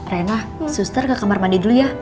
rena suster ke kamar mandi dulu ya